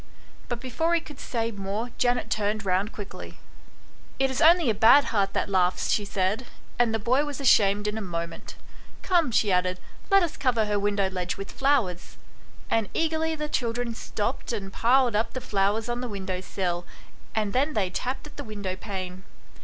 But before he could say more Janet turned round quickly. " It is only a bad heart that laughs," she said ; and the boy was ashamed in a moment. " Come," she added, " let us cover her window ledge with flowers." And eagerly the children stopped and piled up the flowers on the window sill, and then they tapped at the window pane.